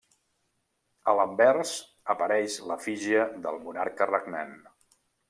A l'anvers apareix l'efígie del monarca regnant.